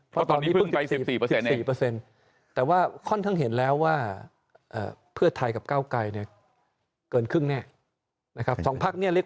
เพราะตอนนี้เพิ่งไป๑๔๔แต่ว่าค่อนข้างเห็นแล้วว่าเพื่อไทยกับก้าวไกรเนี่ยเกินครึ่งแน่นะครับ